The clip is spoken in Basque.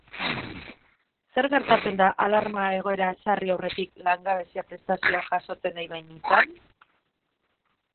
Zer geratzen da alarma egoera ezarri aurretik langabezia-prestazioa jasotzen ari banintzen?